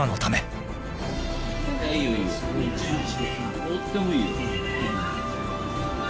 とってもいいよ。